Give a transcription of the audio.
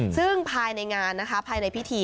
ซึ่งภายในงานนะคะภายในพิธี